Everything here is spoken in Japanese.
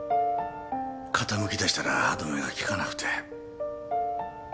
傾きだしたら歯止めが利かなくて。